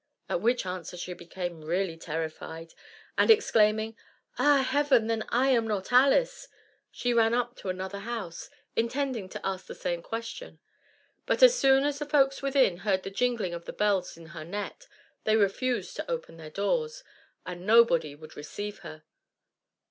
At which answer she became really terrified, and exclaiming, "Ah, heaven, then I am not Alice!" she ran up to another house, intending to ask the same question. But as soon as the folks within heard the jingling of the bells in her net, they refused to open their doors, and nobody would receive her.